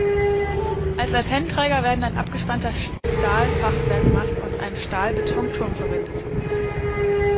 Als Antennenträger werden ein abgespannter Stahlfachwerkmast und ein Stahlbetonturm verwendet.